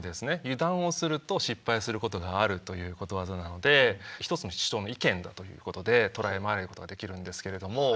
「油断をすると失敗することがある」ということわざなので一つの主張の意見だということでとらまえることができるんですけれども。